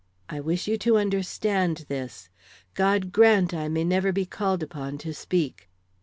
I wish you to understand this. God grant I may never be called upon to speak!"